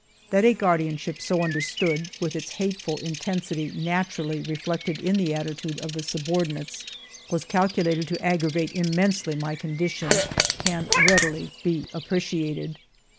That a guardianship so understood, with its hateful in tensity naturally reflected in the attitude of the subordinates, was calculated to aggravate im mensely my condition, can readily be appreciated.